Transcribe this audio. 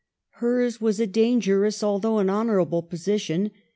Hers was a dangerous although an honorable position.